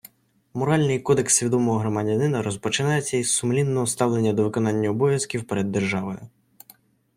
Моральний кодекс свідомого громадянина розпочинається із сумлінного ставлення до виконання обов'язків перед державою